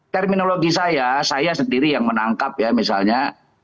terminologi saya saya sendiri yang menangkap ya misalnya